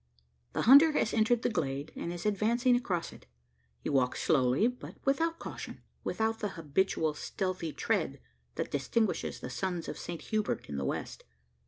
The hunter has entered the glade, and is advancing across it. He walks slowly, but without caution without that habitual stealthy tread that distinguishes the sons of Saint Hubert in the West.